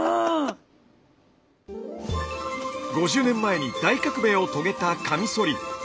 ５０年前に大革命を遂げたカミソリ。